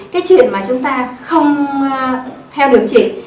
cái chuyện mà chúng ta không theo được chỉ